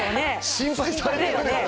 心配されてるんですか？